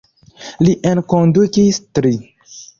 Li enkondukis tri.